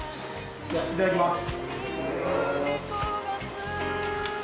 いただきます。